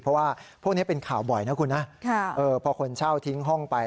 เพราะว่าพวกนี้เป็นข่าวบ่อยนะคุณนะพอคนเช่าทิ้งห้องไป